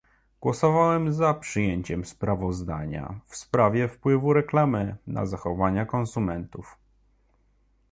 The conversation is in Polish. Głosowałem za przyjęciem sprawozdania w sprawie wpływu reklamy na zachowania konsumentów